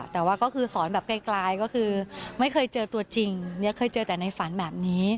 แต่ว่าก็คือสอนแบบไกลก็คือไม่เคยเจอตัวจริงเคยเจอแต่ในฝันแบบนี้